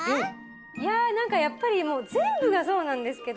いやなんかやっぱりもうぜんぶがそうなんですけど